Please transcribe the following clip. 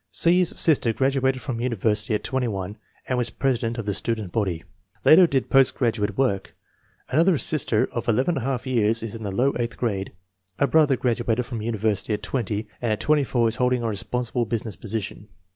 C.'s sister graduated from university at 21 and was president of the student body. Later did post gradu ate work. Another sister of 11J years is in the low eighth grade. A brother graduated from university at 0, and at 24 is holding a responsible business position.